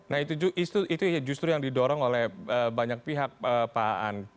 nah itu justru yang didorong oleh banyak pihak paan